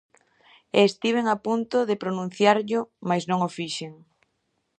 E estiven a punto de pronunciarllo, mais non o fixen.